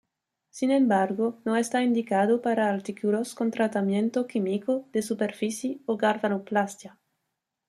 Sin embargo, no está indicado para artículos con tratamiento químico de superficie o galvanoplastia.